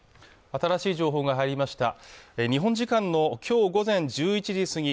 新しい情報が入りました日本時間のきょう午前１１時過ぎ